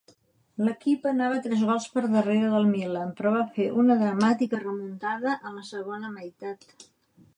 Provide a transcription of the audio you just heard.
L'equip anava tres gols per darrere del Milan però va fer una dramàtica remuntada en la segona meitat.